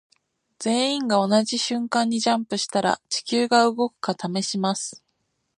全員が同じ瞬間にジャンプしたら地球が動くか試します。